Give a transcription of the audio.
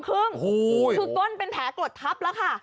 คือก้นเป็นแผลกรดทับแล้วค่ะ